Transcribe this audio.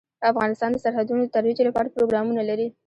افغانستان د سرحدونه د ترویج لپاره پروګرامونه لري.